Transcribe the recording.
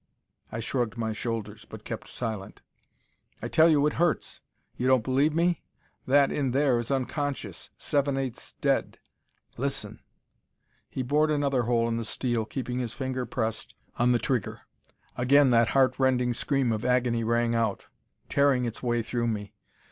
I shrugged my shoulders, but kept silent. "I tell you it hurts. You don't believe me? That in there is unconscious, seven eighths dead. Listen." He bored another hole in the steel, keeping his finger pressed on the trigger. Again that heart rending scream of agony rang out, tearing its way through me.